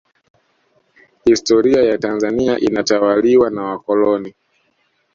historia ya tanzania inatawaliwa na wakoloni